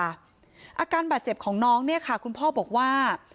อาการบาดเจ็บของน้องเนี่ยค่ะคุณพ่อบอกว่า